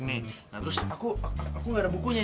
nah terus aku aku nggak ada bukunya